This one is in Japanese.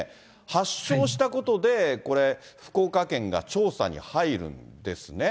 発症したことで、福岡県が調査に入るんですね。